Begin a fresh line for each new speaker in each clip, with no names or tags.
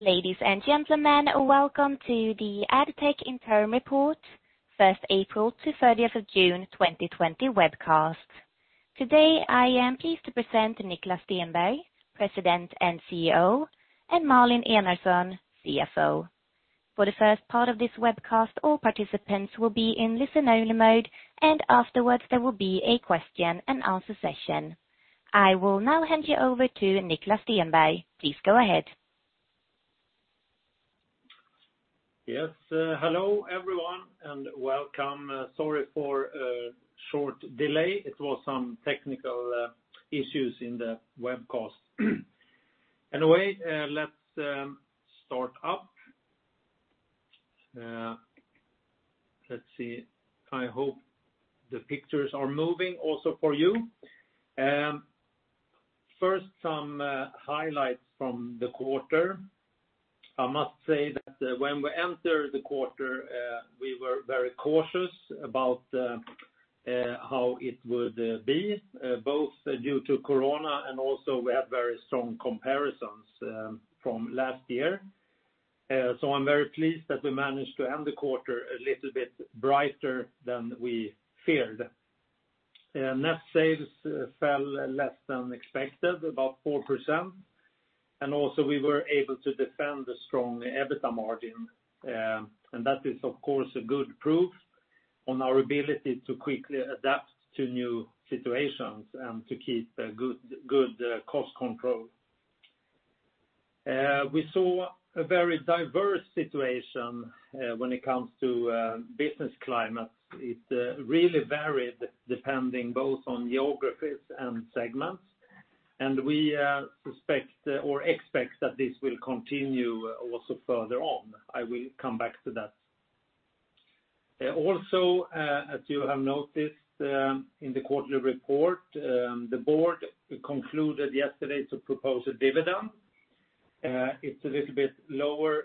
Ladies and gentlemen, welcome to the Addtech Interim Report 1st April to 30th June 2020 webcast. Today, I am pleased to present Niklas Stenberg, President and CEO, and Malin Enarson, CFO. For the first part of this webcast, all participants will be in listen-only mode, and afterwards there will be a question and answer session. I will now hand you over to Niklas Stenberg. Please go ahead.
Yes. Hello everyone, and welcome. Sorry for short delay. It was some technical issues in the webcast. Let's start up. Let's see. I hope the pictures are moving also for you. First, some highlights from the quarter. I must say that when we entered the quarter, we were very cautious about how it would be, both due to corona and also we had very strong comparisons from last year. I'm very pleased that we managed to end the quarter a little bit brighter than we feared. Net sales fell less than expected, about 4%, and also we were able to defend a strong EBITDA margin. That is, of course, a good proof on our ability to quickly adapt to new situations and to keep good cost control. We saw a very diverse situation when it comes to business climate. It really varied depending both on geographies and segments, and we suspect or expect that this will continue also further on. I will come back to that. As you have noticed in the quarterly report, the board concluded yesterday to propose a dividend. It's a little bit lower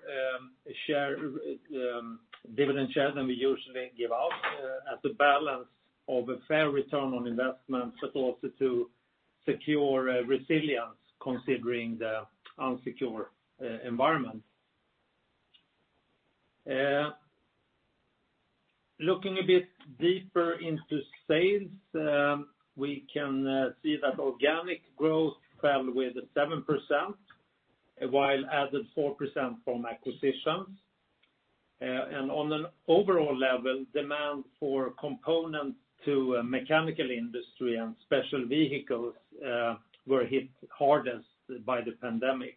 dividend share than we usually give out as a balance of a fair return on investment, but also to secure resilience considering the insecure environment. Looking a bit deeper into sales, we can see that organic growth fell with 7%, while added 4% from acquisitions. On an overall level, demand for components to mechanical industry and special vehicles were hit hardest by the pandemic.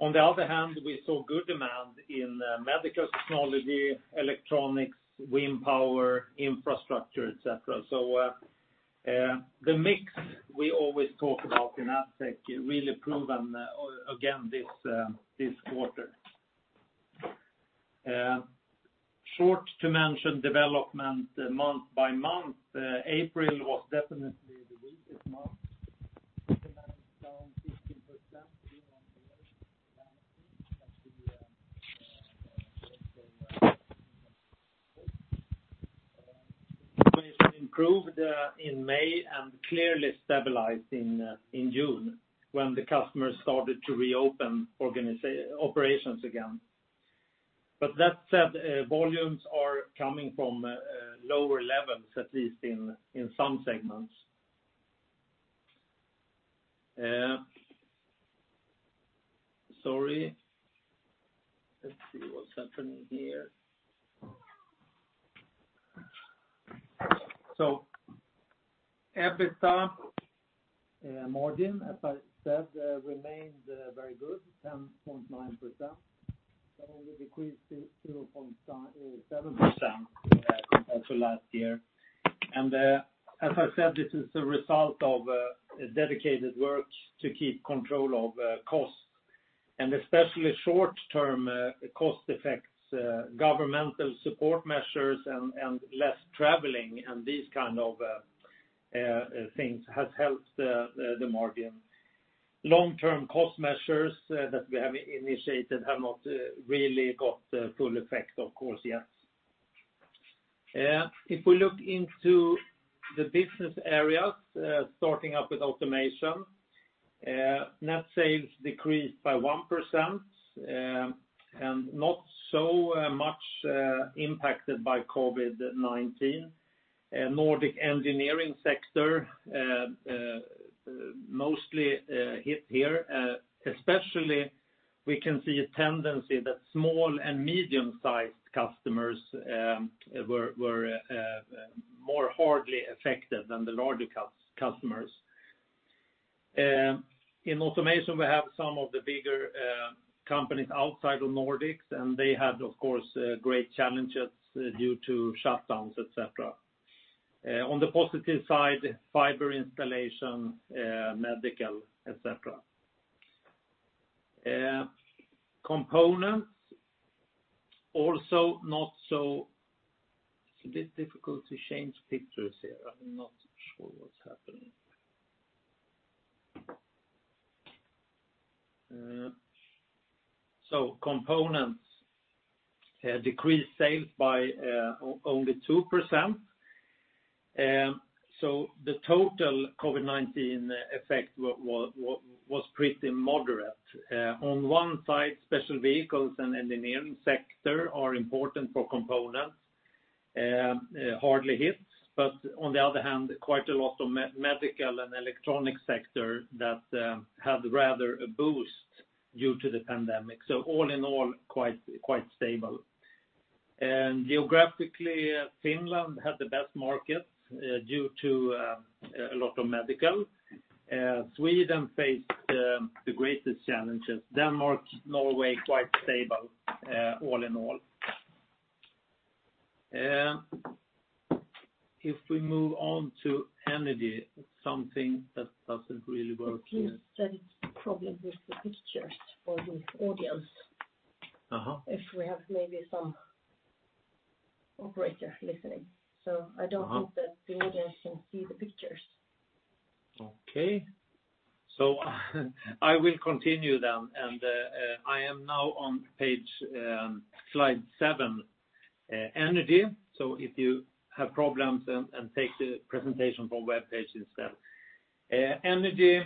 On the other hand, we saw good demand in medical technology, electronics, wind power, infrastructure, et cetera. The mix we always talk about in Addtech really proved again this quarter. Short to mention development month-over-month, April was definitely the weakest month, demand down 15% year-over-year. Improved in May and clearly stabilized in June when the customers started to reopen operations again. That said, volumes are coming from lower levels, at least in some segments. Sorry. Let's see what's happening here. EBITDA margin, as I said, remained very good, 10.9%, only decreased to 0.7% compared to last year. As I said, this is a result of dedicated work to keep control of costs and especially short-term cost effects, governmental support measures and less traveling and these kind of things has helped the margin. Long-term cost measures that we have initiated have not really got the full effect, of course, yet. If we look into the business areas, starting up with Automation. Net sales decreased by 1% and not so much impacted by COVID-19. Nordic engineering sector mostly hit here. Especially we can see a tendency that small and medium-sized customers were more hardly affected than the larger customers. In Automation, we have some of the bigger companies outside of Nordics, they had, of course, great challenges due to shutdowns, et cetera. On the positive side, fiber installation, medical, et cetera. It's a bit difficult to change pictures here. I'm not sure what's happening. Components decreased sales by only 2%. The total COVID-19 effect was pretty moderate. On one side, special vehicles and engineering sector are important for Components, hardly hits. On the other hand, quite a lot of medical and electronic sector that had rather a boost due to the pandemic. All in all, quite stable. Geographically, Finland had the best market due to a lot of medical. Sweden faced the greatest challenges. Denmark, Norway, quite stable all in all. We move on to Energy, something that doesn't really work here.
It seems that it's a problem with the pictures for the audience. If we have maybe some operator listening. I don't think that the audience can see the pictures.
I will continue. I am now on slide seven, Energy. If you have problems, take the presentation from webpage instead. Energy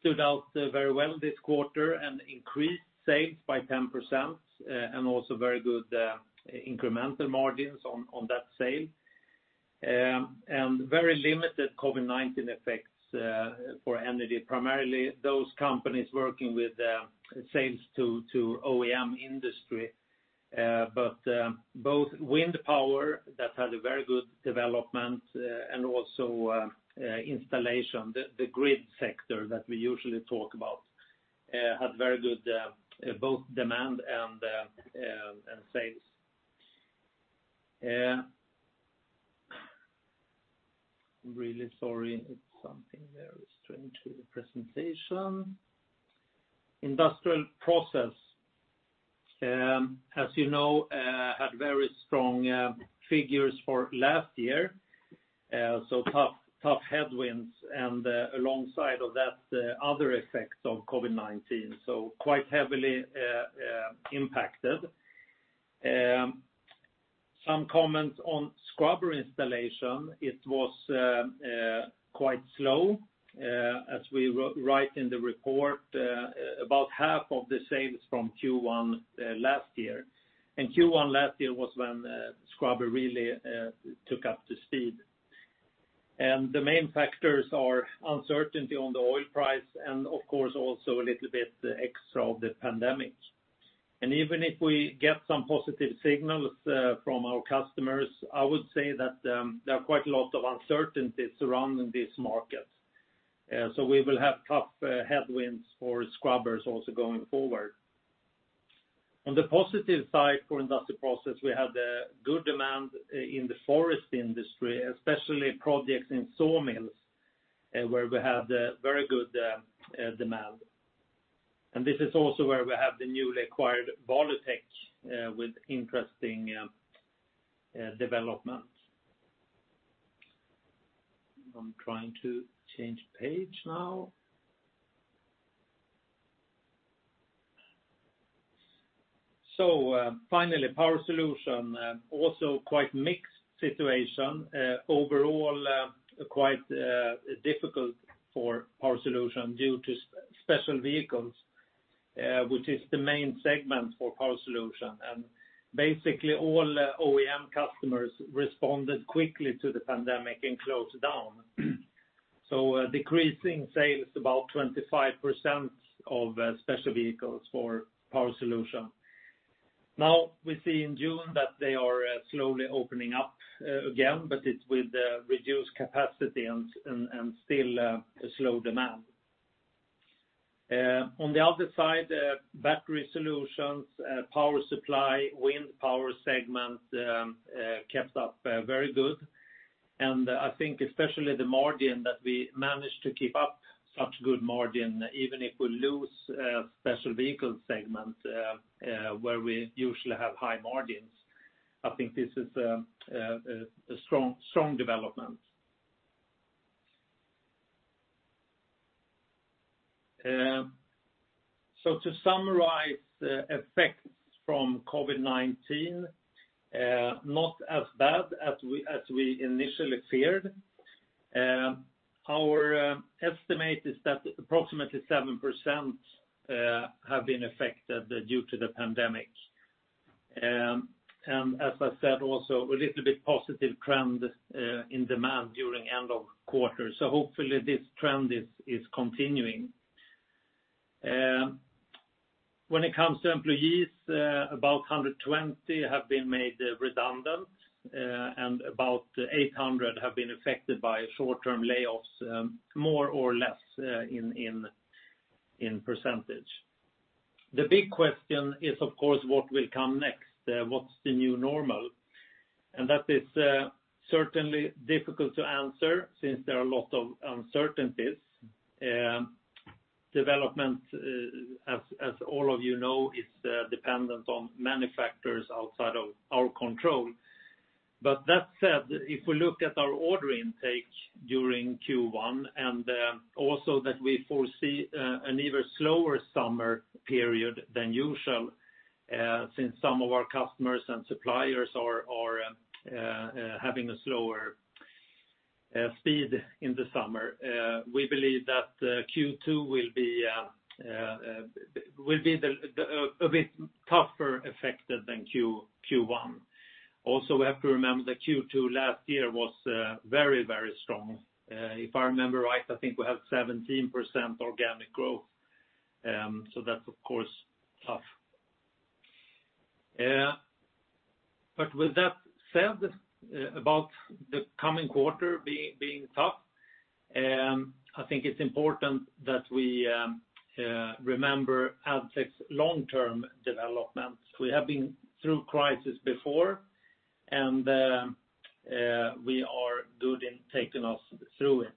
stood out very well this quarter and increased sales by 10%, and also very good incremental margins on that sale. Very limited COVID-19 effects for Energy, primarily those companies working with sales to OEM industry, but both wind power, that had a very good development, and also installation. The grid sector that we usually talk about had very good both demand and sales. I'm really sorry, it's something very strange with the presentation. Industrial Process, as you know had very strong figures for last year, tough headwinds, alongside of that other effects of COVID-19, quite heavily impacted. Some comments on scrubber installation. It was quite slow, as we write in the report, about half of the sales from Q1 last year. Q1 last year was when scrubber really took up to speed. The main factors are uncertainty on the oil price and, of course, also a little bit extra of the pandemic. Even if we get some positive signals from our customers, I would say that there are quite a lot of uncertainties surrounding this market. We will have tough headwinds for scrubbers also going forward. On the positive side for Industrial Process, we had good demand in the forest industry, especially projects in sawmills, where we had very good demand. This is also where we have the newly acquired Valutec with interesting developments. I'm trying to change page now. Finally, Power Solutions. Also quite mixed situation. Overall, quite difficult for Power Solutions due to special vehicles, which is the main segment for Power Solutions. Basically all OEM customers responded quickly to the pandemic and closed down. Decreasing sales about 25% of special vehicles for Power Solutions. Now we see in June that they are slowly opening up again, but it's with reduced capacity and still a slow demand. On the other side, battery solutions, power supply, wind power segment kept up very good. I think especially the margin that we managed to keep up such good margin, even if we lose special vehicle segment, where we usually have high margins. I think this is a strong development. To summarize the effects from COVID-19, not as bad as we initially feared. Our estimate is that approximately 7% have been affected due to the pandemic. As I said, also a little bit positive trend in demand during end of quarter. Hopefully this trend is continuing. When it comes to employees, about 120 have been made redundant, and about 800 have been affected by short-term layoffs, more or less in percentage. The big question is, of course, what will come next? What's the new normal? That is certainly difficult to answer since there are a lot of uncertainties. Development, as all of you know, is dependent on many factors outside of our control. That said, if we look at our order intake during Q1, and also that we foresee an even slower summer period than usual. Since some of our customers and suppliers are having a slower speed in the summer, we believe that Q2 will be a bit tougher affected than Q1. We have to remember that Q2 last year was very strong. If I remember right, I think we have 17% organic growth. That's, of course, tough. With that said about the coming quarter being tough, I think it's important that we remember Addtech's long-term developments. We have been through crisis before, and we are good in taking us through it.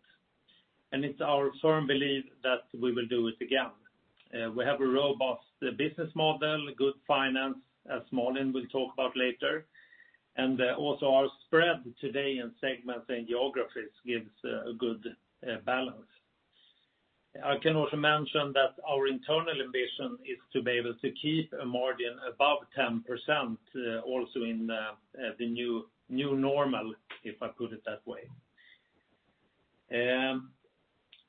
It's our firm belief that we will do it again. We have a robust business model, good finance, as Malin will talk about later, and also our spread today in segments and geographies gives a good balance. I can also mention that our internal ambition is to be able to keep a margin above 10% also in the new normal, if I put it that way.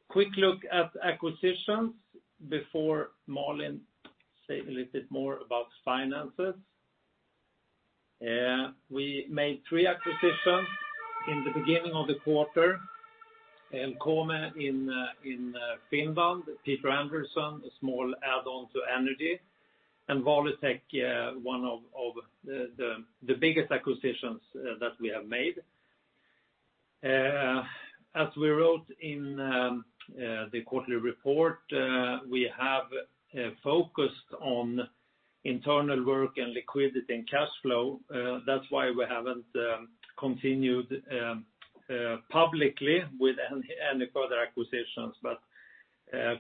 Quick look at acquisitions before Malin say a little bit more about finances. We made three acquisitions in the beginning of the quarter. Elkome in Finland, Peter Andersson, a small add-on to Energy, and Valutec, one of the biggest acquisitions that we have made. As we wrote in the quarterly report, we have focused on internal work and liquidity and cash flow. That's why we haven't continued publicly with any further acquisitions.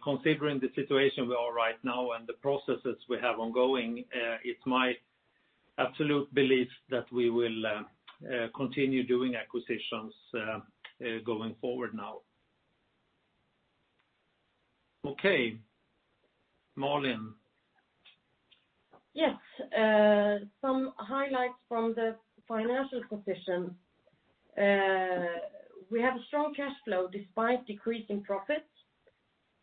Considering the situation we are right now and the processes we have ongoing, it's my absolute belief that we will continue doing acquisitions going forward now. Okay. Malin?
Yes. Some highlights from the financial position. We have a strong cash flow despite decreasing profits.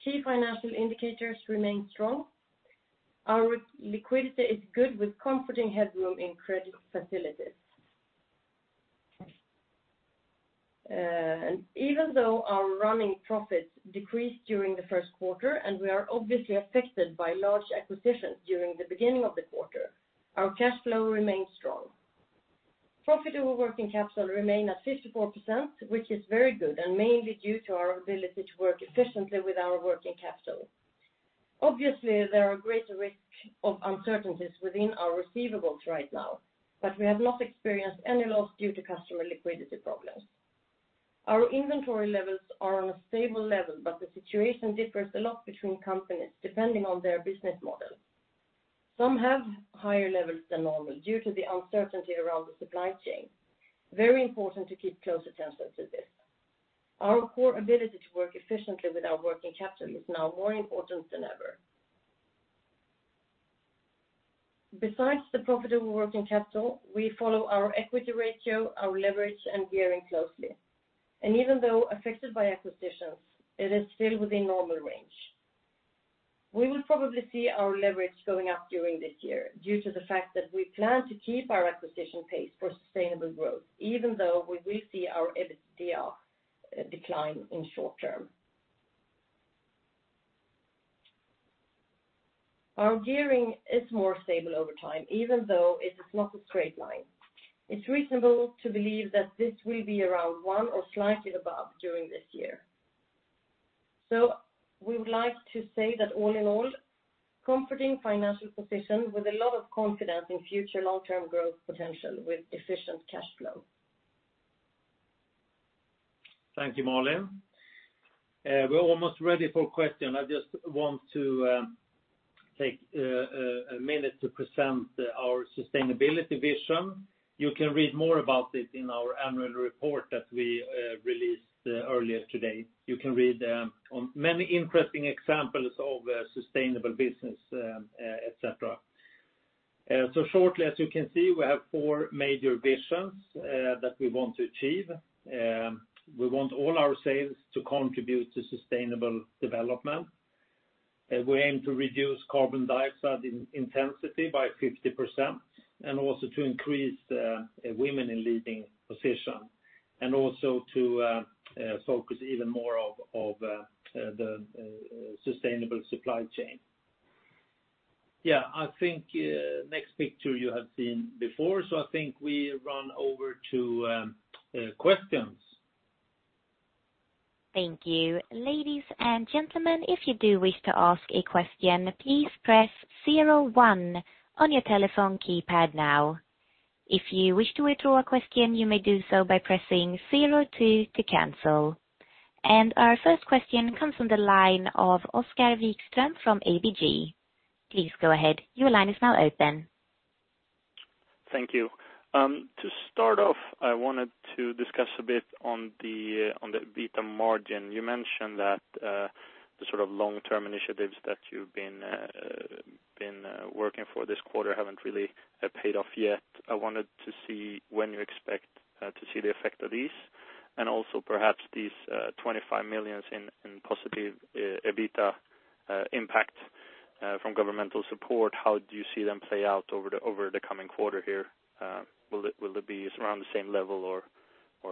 Key financial indicators remain strong. Our liquidity is good with comforting headroom in credit facilities. Even though our running profits decreased during the first quarter, and we are obviously affected by large acquisitions during the beginning of the quarter, our cash flow remains strong. Profitable working capital remain at 54%, which is very good and mainly due to our ability to work efficiently with our working capital. Obviously, there are greater risk of uncertainties within our receivables right now, but we have not experienced any loss due to customer liquidity problems. Our inventory levels are on a stable level, but the situation differs a lot between companies, depending on their business model. Some have higher levels than normal due to the uncertainty around the supply chain. Very important to keep close attention to this. Our core ability to work efficiently with our working capital is now more important than ever. Besides the profitable working capital, we follow our equity ratio, our leverage, and gearing closely. Even though affected by acquisitions, it is still within normal range. We will probably see our leverage going up during this year due to the fact that we plan to keep our acquisition pace for sustainable growth, even though we will see our EBITDA decline in short term. Our gearing is more stable over time, even though it is not a straight line. It's reasonable to believe that this will be around one or slightly above during this year. We would like to say that all in all, comforting financial position with a lot of confidence in future long-term growth potential with efficient cash flow.
Thank you, Malin. We're almost ready for question. I just want to take a minute to present our sustainability vision. You can read more about it in our annual report that we released earlier today. You can read on many interesting examples of sustainable business, et cetera. Shortly, as you can see, we have four major visions that we want to achieve. We want all our sales to contribute to sustainable development. We aim to reduce carbon dioxide intensity by 50% and also to increase women in leading position, and also to focus even more of the sustainable supply chain. I think next picture you have seen before. I think we run over to questions.
Thank you. Ladies and gentlemen, if you do wish to ask a question, please press 01 on your telephone keypad now. If you wish to withdraw a question, you may do so by pressing 02 to cancel. Our first question comes from the line of Oskar Vikström from ABG. Please go ahead. Your line is now open.
Thank you. To start off, I wanted to discuss a bit on the EBITDA margin. You mentioned that the sort of long-term initiatives that you've been working for this quarter haven't really paid off yet. I wanted to see when you expect to see the effect of these, and also perhaps these 25 million in positive EBITDA impact from governmental support. How do you see them play out over the coming quarter here? Will it be around the same level, or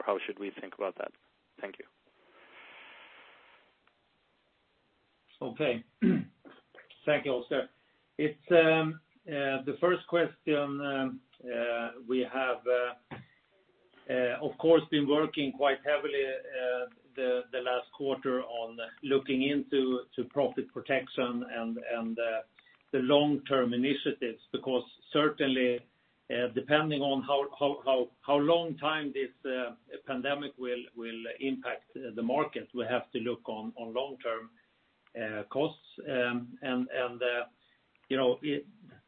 how should we think about that? Thank you.
Okay. Thank you, Oskar. The first question, we have of course, been working quite heavily the last quarter on looking into profit protection and the long-term initiatives, because certainly, depending on how long time this pandemic will impact the market, we have to look on long-term costs.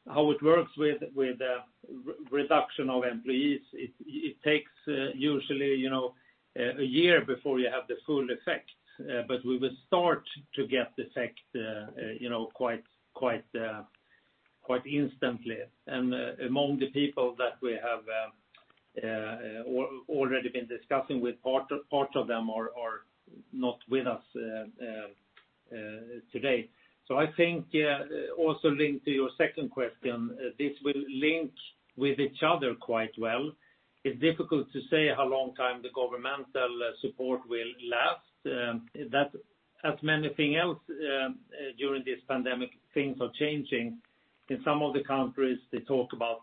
How it works with the reduction of employees, it takes usually a year before you have the full effect. We will start to get the effect quite instantly. Among the people that we have already been discussing with, part of them are not with us today. I think, also linked to your second question, this will link with each other quite well. It's difficult to say how long time the governmental support will last. As many thing else during this pandemic, things are changing. In some of the countries, they talk about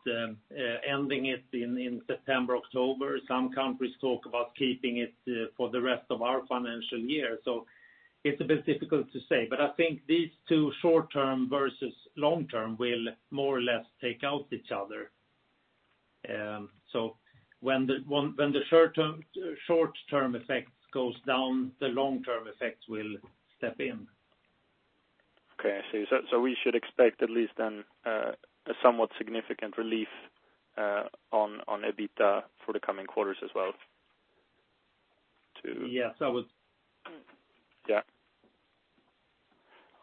ending it in September, October. Some countries talk about keeping it for the rest of our financial year. It's a bit difficult to say, but I think these two short-term versus long-term will more or less take out each other. When the short-term effect goes down, the long-term effects will step in.
Okay, I see. We should expect at least then a somewhat significant relief on EBITDA for the coming quarters as well, too?
Yes.
Yeah.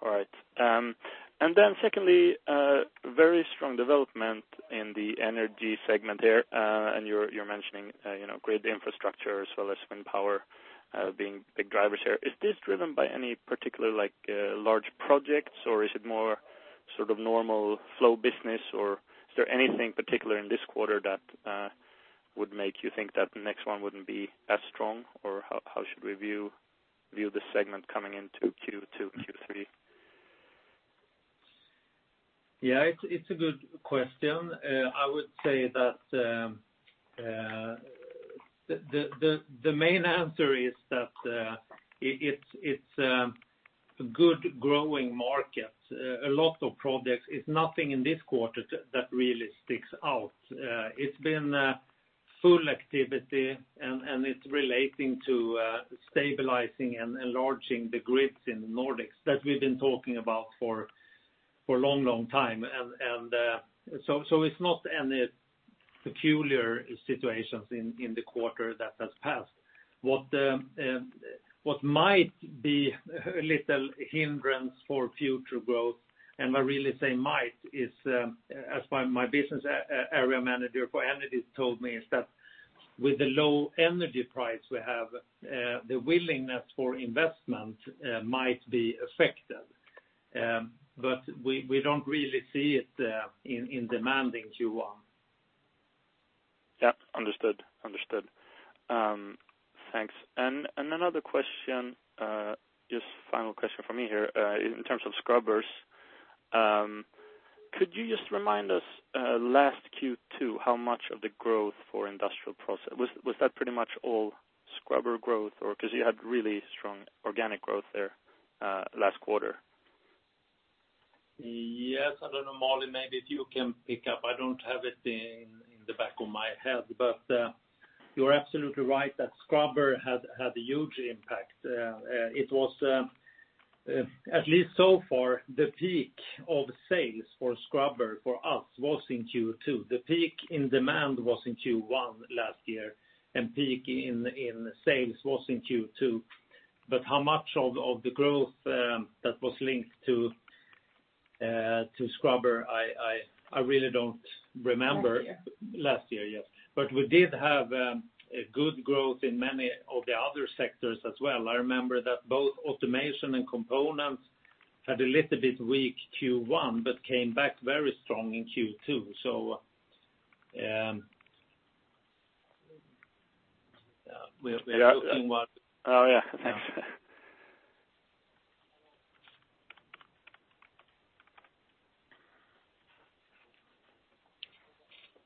All right. Secondly, very strong development in the Energy segment there. You're mentioning grid infrastructure as well as wind power being big drivers here. Is this driven by any particular large projects, or is it more sort of normal flow business, or is there anything particular in this quarter that would make you think that the next one wouldn't be as strong? How should we view the segment coming into Q2, Q3?
Yeah, it's a good question. I would say that the main answer is that it's a good growing market. A lot of projects. It's nothing in this quarter that really sticks out. It's been full activity, and it's relating to stabilizing and enlarging the grids in the Nordics that we've been talking about for a long time. It's not any peculiar situations in the quarter that has passed. What might be a little hindrance for future growth, and I really say might, as my business area manager for Energy told me, is that with the low energy price we have, the willingness for investment might be affected. We don't really see it in Q1.
Yeah, understood. Thanks. Another question, just final question from me here. In terms of scrubbers, could you just remind us, last Q2, how much of the growth for Industrial Process was pretty much all scrubber growth? You had really strong organic growth there last quarter.
Yes. I don't know, Malin, maybe if you can pick up. I don't have it in the back of my head, but you're absolutely right that scrubber had a huge impact. It was, at least so far, the peak of sales for scrubber for us was in Q2. The peak in demand was in Q1 last year, and peak in sales was in Q2. How much of the growth that was linked to scrubber, I really don't remember.
Last year.
Last year, yes. We did have a good growth in many of the other sectors as well. I remember that both Automation and Components had a little bit weak Q1 but came back very strong in Q2, so we are looking.
Oh, yeah. Thanks.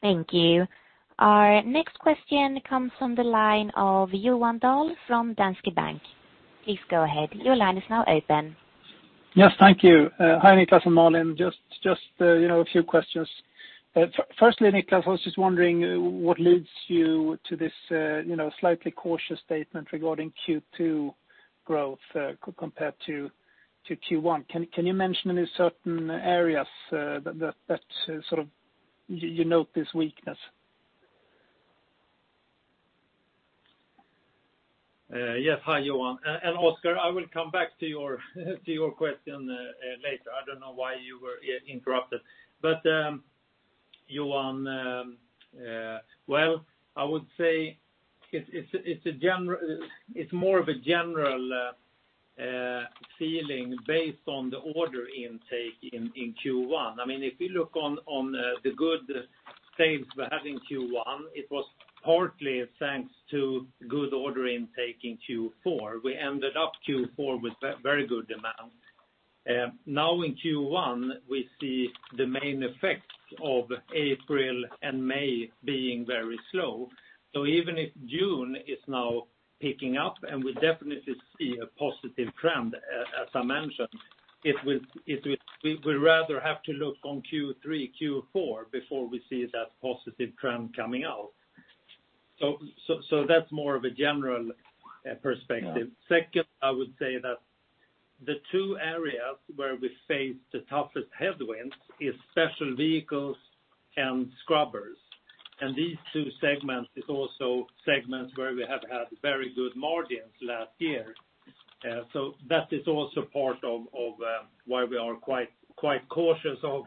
Thank you. Our next question comes from the line of Johan Dahl from Danske Bank. Please go ahead. Your line is now open.
Yes. Thank you. Hi, Niklas and Malin. Just a few questions. Firstly, Niklas, I was just wondering what leads you to this slightly cautious statement regarding Q2 growth compared to Q1. Can you mention any certain areas that you note this weakness?
Yes. Hi, Johan and Oskar. I will come back to your question later. I don't know why you were interrupted. Johan, well, I would say it's more of a general feeling based on the order intake in Q1. If we look on the good sales we had in Q1, it was partly thanks to good order intake in Q4. We ended up Q4 with very good amounts. Now in Q1, we see the main effects of April and May being very slow. Even if June is now picking up and we definitely see a positive trend, as I mentioned, we rather have to look on Q3, Q4 before we see that positive trend coming out. That's more of a general perspective.
Yeah.
I would say that the two areas where we face the toughest headwinds is special vehicles and scrubbers. These two segments is also segments where we have had very good margins last year. That is also part of why we are quite cautious of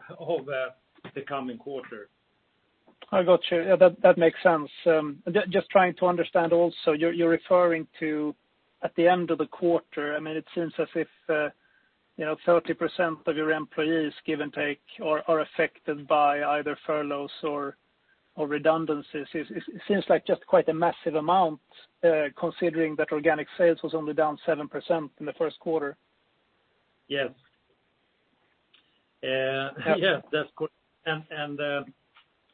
the coming quarter.
I got you. That makes sense. Just trying to understand also, you're referring to at the end of the quarter, it seems as if 30% of your employees, give and take, are affected by either furloughs or redundancies. It seems like just quite a massive amount, considering that organic sales was only down 7% in the first quarter.
Yes. That's correct.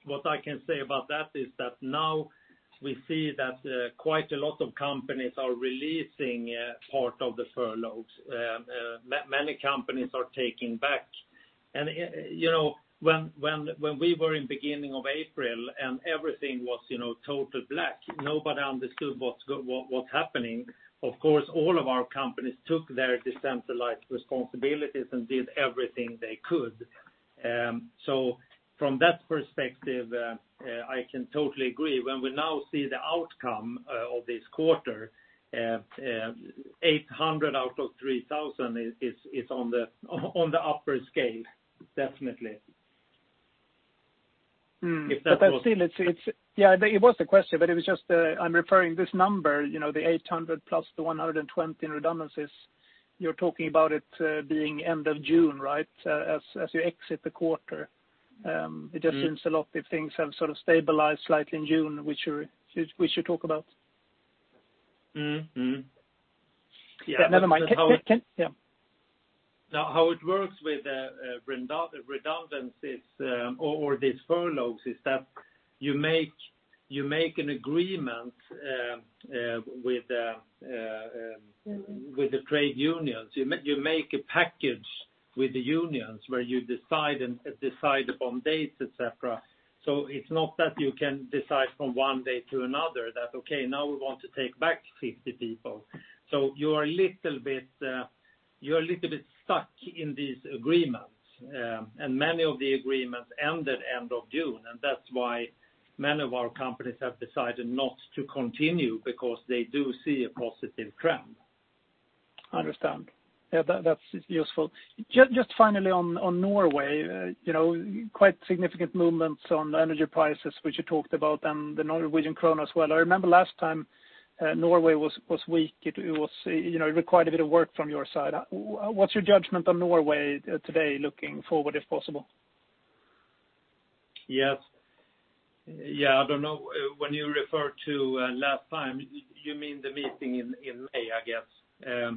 What I can say about that is that now we see that quite a lot of companies are releasing part of the furloughs. Many companies are taking back. When we were in beginning of April and everything was total black, nobody understood what's happening. Of course, all of our companies took their decentralized responsibilities and did everything they could. From that perspective, I can totally agree. When we now see the outcome of this quarter, 800 out of 3,000 is on the upper scale, definitely.
I'm referring this number, the 800 plus the 120 in redundancies. You're talking about it being end of June, right? As you exit the quarter. It just seems a lot if things have stabilized slightly in June, which we should talk about. Yeah, never mind.
Now how it works with redundancies or these furloughs is that you make an agreement with the trade unions. You make a package with the unions where you decide upon dates, et cetera. It's not that you can decide from one day to another that, "Okay, now we want to take back 50 people." You're a little bit stuck in these agreements, and many of the agreements ended end of June, and that's why many of our companies have decided not to continue because they do see a positive trend.
I understand. Yeah, that's useful. Just finally on Norway, quite significant movements on energy prices, which you talked about, and the Norwegian krone as well. I remember last time Norway was weak. It required a bit of work from your side. What's your judgment on Norway today, looking forward, if possible?
Yes. I don't know, when you refer to last time, you mean the meeting in May, I guess.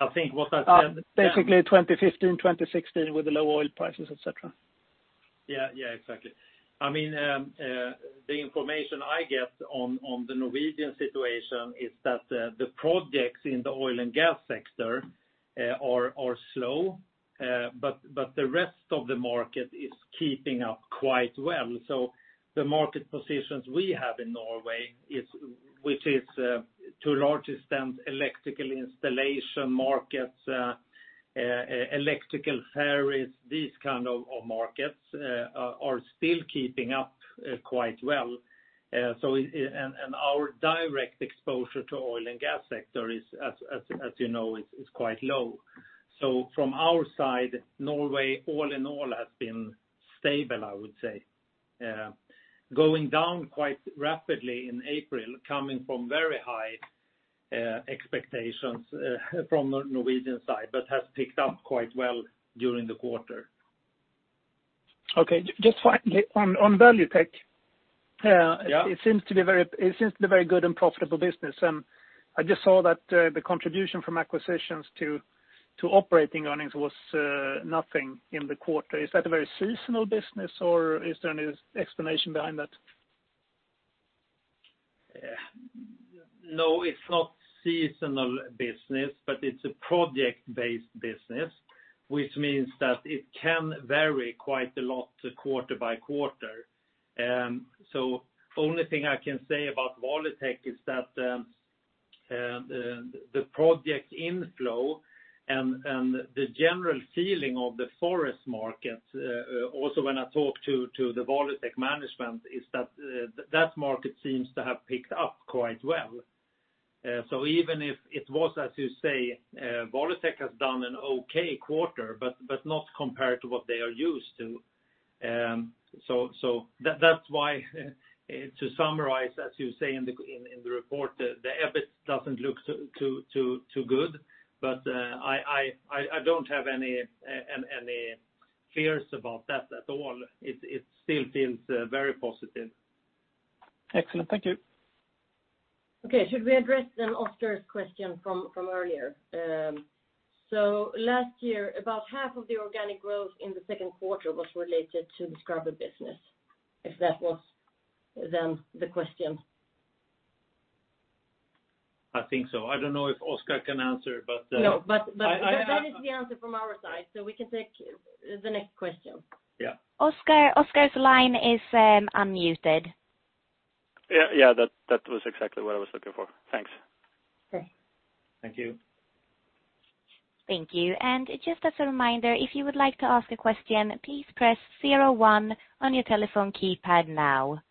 I think what I said then.
Basically 2015, 2016 with the low oil prices, et cetera.
Exactly. The information I get on the Norwegian situation is that the projects in the oil and gas sector are slow, but the rest of the market is keeping up quite well. The market positions we have in Norway, which is to a large extent electrical installation markets, electrical ferries, these kinds of markets, are still keeping up quite well. Our direct exposure to oil and gas sector, as you know, is quite low. From our side, Norway, all in all, has been stable, I would say. Going down quite rapidly in April, coming from very high expectations from the Norwegian side, but has picked up quite well during the quarter.
Okay. Just finally, on Valutec.
Yeah.
It seems to be a very good and profitable business. I just saw that the contribution from acquisitions to operating earnings was nothing in the quarter. Is that a very seasonal business or is there any explanation behind that?
No, it's not seasonal business, but it's a project-based business, which means that it can vary quite a lot quarter by quarter. Only thing I can say about Valutec is that the project inflow and the general feeling of the forest market, also when I talk to the Valutec management, is that that market seems to have picked up quite well. Even if it was, as you say, Valutec has done an okay quarter, but not compared to what they are used to. That's why, to summarize, as you say in the report, the EBIT doesn't look too good. I don't have any fears about that at all. It still feels very positive.
Excellent. Thank you.
Okay. Should we address Oskar's question from earlier? Last year, about half of the organic growth in the second quarter was related to the scrubber business, if that was the question.
I think so. I don't know if Oskar can answer, but.
That is the answer from our side, so we can take the next question.
Yeah.
Oskar's line is unmuted.
Yeah, that was exactly what I was looking for. Thanks.
Okay.
Thank you.
Thank you. Just as a reminder, if you would like to ask a question, please press 01 on your telephone keypad now.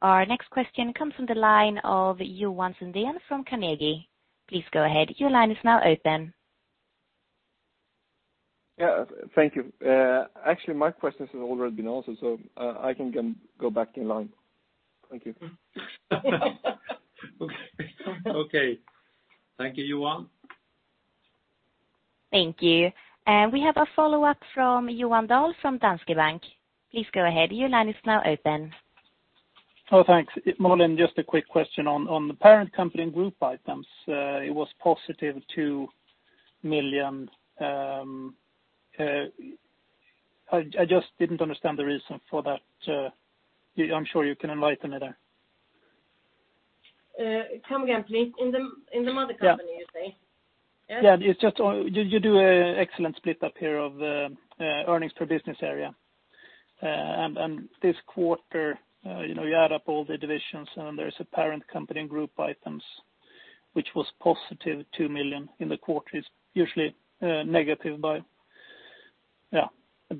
Our next question comes from the line of Johan Sundén from Carnegie. Please go ahead. Your line is now open.
Yeah, thank you. Actually, my question has already been answered, so I can go back in line. Thank you.
Okay. Thank you, Johan.
Thank you. We have a follow-up from Johan Dahl from Danske Bank. Please go ahead. Your line is now open.
Oh, thanks. Malin, just a quick question on the parent company and group items. It was positive 2 million. I just didn't understand the reason for that. I'm sure you can enlighten me there.
Come again, please. In the mother company, you say?
Yeah. You do an excellent split up here of earnings per business area. This quarter, you add up all the divisions, and there's a parent company and group items, which was positive 2 million in the quarter. It's usually negative by, yeah, a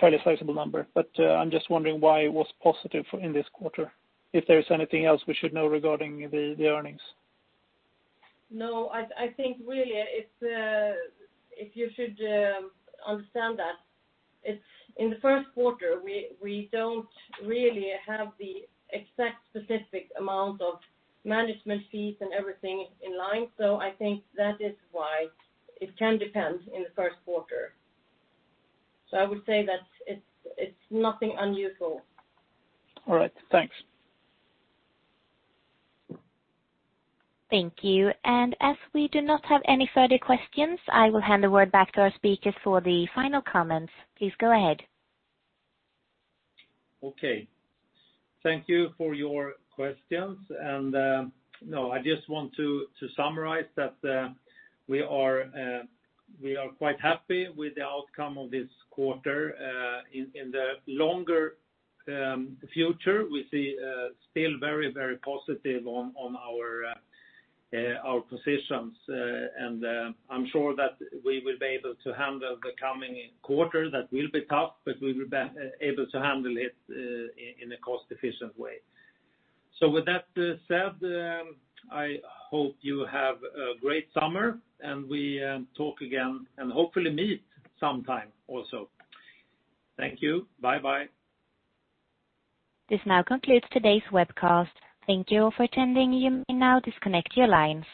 fairly sizable number. I'm just wondering why it was positive in this quarter, if there is anything else we should know regarding the earnings.
I think really if you should understand that, it's in the first quarter, we don't really have the exact specific amount of management fees and everything in line. I think that is why it can depend in the first quarter. I would say that it's nothing unusual.
All right. Thanks.
Thank you. As we do not have any further questions, I will hand the word back to our speakers for the final comments. Please go ahead.
Okay. Thank you for your questions. No, I just want to summarize that we are quite happy with the outcome of this quarter. In the longer future, we see still very positive on our positions. I'm sure that we will be able to handle the coming quarter. That will be tough, but we'll be able to handle it in a cost-efficient way. With that said, I hope you have a great summer, and we talk again and hopefully meet sometime also. Thank you. Bye-bye.
This now concludes today's webcast. Thank you for attending. You may now disconnect your lines.